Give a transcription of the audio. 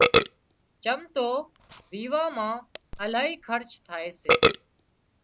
چم تو ويوان مان الاهي خرچ ٿائي سي